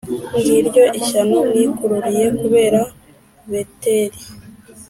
Ngiryo ishyano mwikururiye kubera Beteli,